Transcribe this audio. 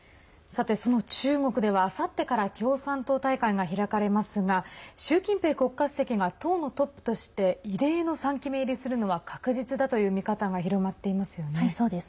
さて、その中国ではあさってから共産党大会が開かれますが習近平国家主席が党のトップとして異例の３期目入りするのは確実だという見方が広まっていますよね。